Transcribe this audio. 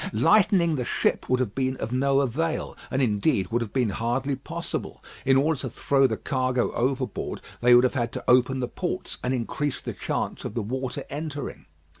Lightening the ship would have been of no avail, and indeed would have been hardly possible. In order to throw the cargo overboard, they would have had to open the ports and increase the chance of the water entering.